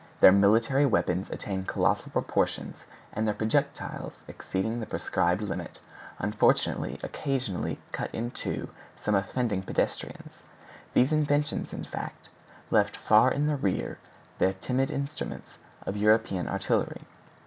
Their military weapons attained colossal proportions, and their projectiles, exceeding the prescribed limits, unfortunately occasionally cut in two some unoffending pedestrians. These inventions, in fact, left far in the rear the timid instruments of European artillery.